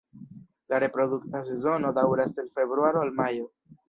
La reprodukta sezono daŭras el februaro al majo.